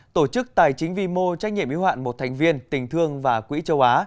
tổ chức tài chính vi mô trách nhiệm y hoạn một thành viên tình thương và quỹ châu á